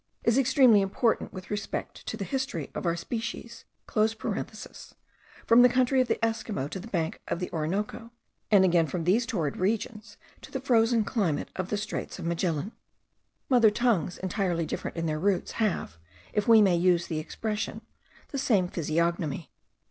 is extremely important with respect to the history of our species) from the country of the Esquimaux to the banks of the Orinoco, and again from these torrid regions to the frozen climate of the Straits of Magellan, mother tongues, entirely different in their roots, have, if we may use the expression, the same physiognomy.